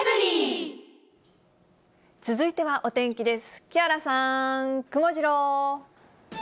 続いてはお天気です。